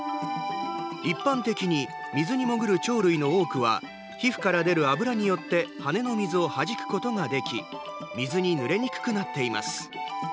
一般的に水に潜る鳥類の多くは皮膚から出る油によって羽の水をはじくことができ水にぬれにくくなっています。